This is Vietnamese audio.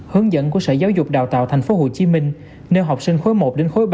hướng dẫn của sở giáo dục đào tạo tp hcm nêu học sinh khối một đến khối ba